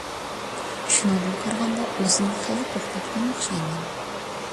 شۇنىڭدىن قارىغاندا ئۆزۈمنى خېلى توختاتقان ئوخشايمەن.